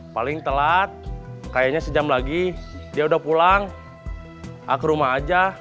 paling telat kayaknya sejam lagi dia udah pulang ke rumah aja